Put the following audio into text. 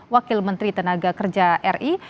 wakil menteri tenaga kerja ri